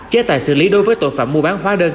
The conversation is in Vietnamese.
chế tài xử lý đối với tội phạm mua bán hóa đơn